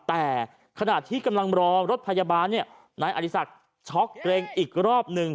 แต่ขณะที่กำลังรอรถพยาบาลอาธิศักดิ์ช็อคเกรงอีกรอบหนึ่ง